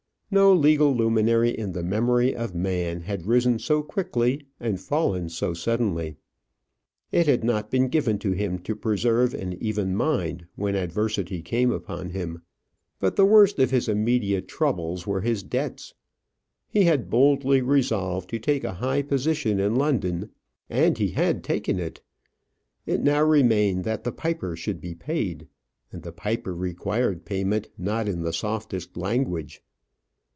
No legal luminary in the memory of man had risen so quickly and fallen so suddenly. It had not been given to him to preserve an even mind when adversity came upon him. But the worst of his immediate troubles were his debts. He had boldly resolved to take a high position in London; and he had taken it. It now remained that the piper should be paid, and the piper required payment not in the softest language.